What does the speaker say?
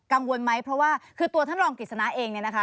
กังวลไหมเพราะว่าคือตัวท่านรองกฤษณะเองเนี่ยนะคะ